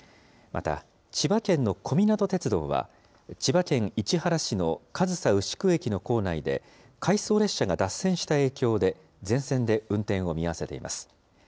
また、千葉県の小湊鐡道は千葉県市原市の上総牛久駅の構内で回送列車が脱線した影響で全線で運転を見合わせています。